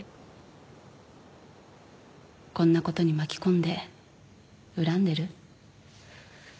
こんなことに巻き込んで恨んでる？